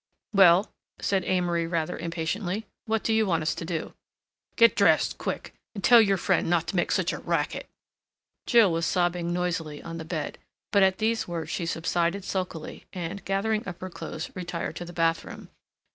"Well," said Amory rather impatiently, "what do you want us to do?" "Get dressed, quick—and tell your friend not to make such a racket." Jill was sobbing noisily on the bed, but at these words she subsided sulkily and, gathering up her clothes, retired to the bathroom.